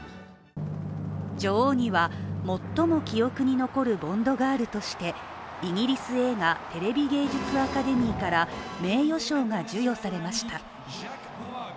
女王には、最も記憶に残るボンドガールとしてイギリス映画テレビ芸術アカデミーから名誉賞が授与されました。